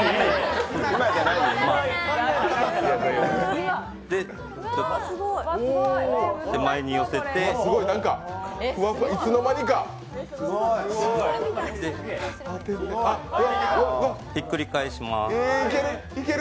今で、手前に寄せていつの間にかひっくり返します。